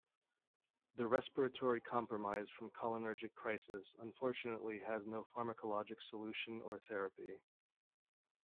The respiratory compromise from cholinergic crisis unfortunately has no pharmacologic solution or therapy.